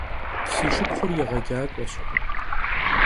Si şşıpxhur yêğecak'ueş.